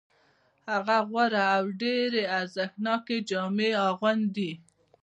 هغه غوره او ډېرې ارزښتناکې جامې اغوندي